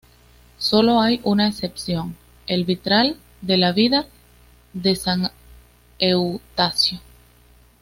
Solo hay una excepción: el vitral de la "Vida de San Eustasio".